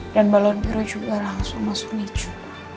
dan balon biru juga langsung masuk licu